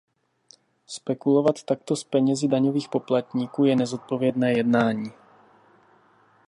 Spekulovat takto s penězi daňových poplatníků je nezodpovědné jednání.